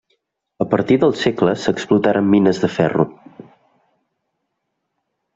A partir del segle s'explotaren mines de ferro.